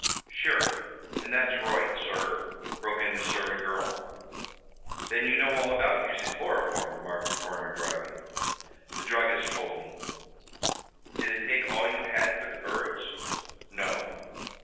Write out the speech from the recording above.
"Sure, and that's roight, sur," broke in the servant girl. "Then you know all about using chloroform?" remarked the coroner dryly. "The druggist told me." "Did it take all you had for the birds?" "No."